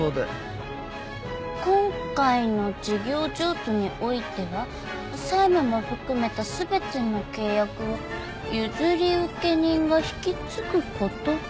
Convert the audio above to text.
「今回の事業譲渡においては債務も含めた全ての契約を譲受人が引き継ぐこととする」？